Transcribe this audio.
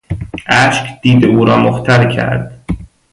اشک دید او را مختل کرد.